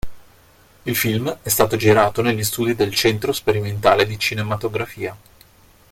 Il film è stato girato negli studi del Centro sperimentale di cinematografia.